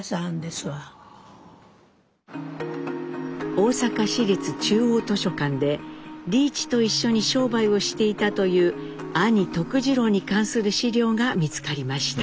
大阪市立中央図書館で利一と一緒に商売をしていたという兄徳治郎に関する資料が見つかりました。